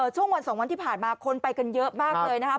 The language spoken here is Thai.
ช่วงวัน๒วันที่ผ่านมาคนไปกันเยอะมากเลยนะครับ